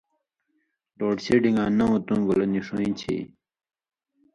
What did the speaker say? لوڈ شیڈِن٘گاں نؤں تُوں گولہ نی ݜُون٘یں چھی یی؟